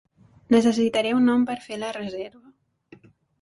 Necessitaré un nom per fer la reserva.